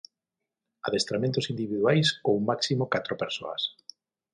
Adestramentos individuais ou máximo catro persoas.